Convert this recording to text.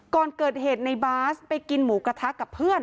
ก่อนเกิดเหตุในบาสไปกินหมูกระทะกับเพื่อน